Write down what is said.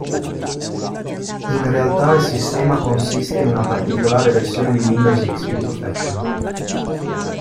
In realtà il sistema consiste in una particolare versione di Windows XP Professional.